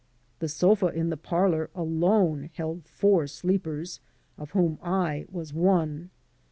The sofa in the parlor alone held four sleepers, of whom I was one.